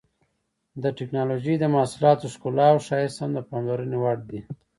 د ټېکنالوجۍ د محصولاتو ښکلا او ښایست هم د پاملرنې وړ دي.